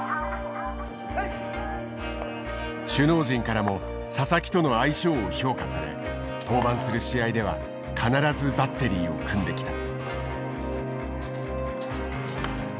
首脳陣からも佐々木との相性を評価され登板する試合では必ずバッテリーを組んできた。